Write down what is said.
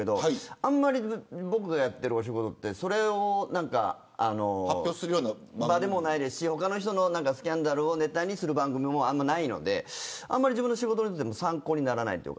あんまり僕がやってるお仕事ってそれを、発表するような場でもないですし他の人のスキャンダルをネタにする番組もあんまりないのであんまり自分の仕事にとっても参考にならないというか。